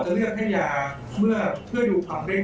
คุณหมอจะเลือกให้ยาเมื่อเพื่อยูกความเร่งยวด